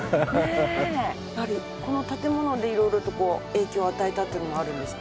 やはりこの建物で色々とこう影響与えたっていうのはあるんですか？